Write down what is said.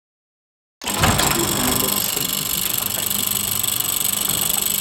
要衝出新界